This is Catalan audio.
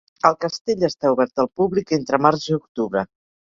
El castell està obert al públic entre març i octubre.